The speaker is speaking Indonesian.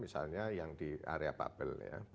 misalnya yang di area bubble ya